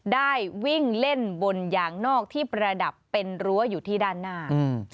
ได้วิ่งเล่นบนยางนอกที่ประดับเป็นรั้วอยู่ที่ด้านหน้าอืม